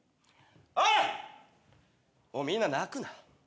おいもうみんな泣くな。